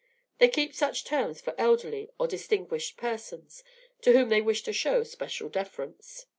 They keep such terms for elderly or distinguished persons, to whom they wish to show special deference."